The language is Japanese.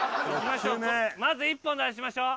まず１本出しましょう。